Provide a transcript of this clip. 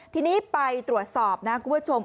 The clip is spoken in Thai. ทีนี้ไปตรวจสอบนะคุณผู้ชม